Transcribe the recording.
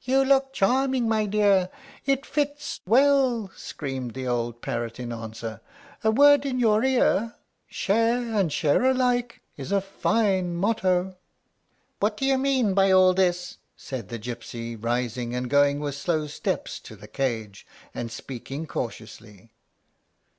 "You look charming, my dear; it fits well!" screamed the old parrot in answer. "A word in your ear; 'Share and share alike' is a fine motto." "What do you mean by all this?" said the gypsy, rising, and going with slow steps to the cage, and speaking cautiously.